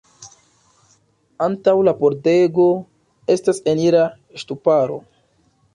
Antaŭ la pordego estas enira ŝtuparo.